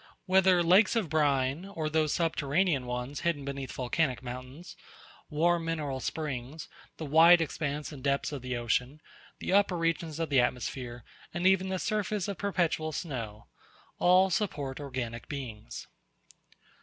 Whether lakes of brine, or those subterranean ones hidden beneath volcanic mountains warm mineral springs the wide expanse and depths of the ocean the upper regions of the atmosphere, and even the surface of perpetual snow all support organic beings.